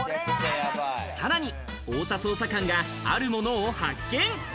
さらに太田捜査官が、あるものを発見。